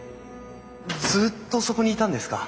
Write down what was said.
ずっとそこにいたんですか？